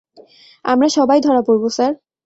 আমরা সবাই ধরা পড়ব, স্যার।